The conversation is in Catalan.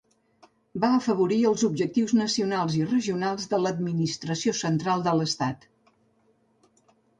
Va afavorir els objectius nacionals i regionals de l"administració central de l"estat.